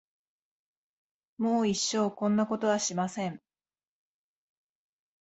もう一生こんなことはしません。